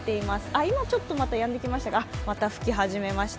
今ちょっとまたやんできましたが、また吹き始めました。